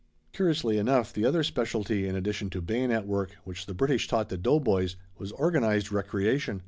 '" Curiously enough the other specialty in addition to bayonet work which the British taught the doughboys was organized recreation.